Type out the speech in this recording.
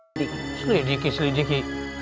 sedikit sedikit sedikit